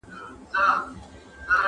طوطي والوتی یوې او بلي خواته٫